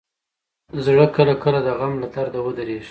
زړه کله کله د غم له درده ودریږي.